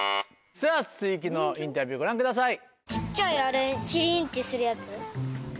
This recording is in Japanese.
さぁ続きのインタビューご覧ください。